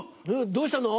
どうしたの？